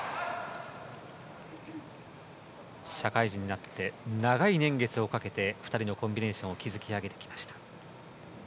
社会人になって長い年月をかけて２人のコンビネーションを築き上げてきました。